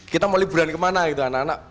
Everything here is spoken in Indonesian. kita mau liburan kemana gitu anak anak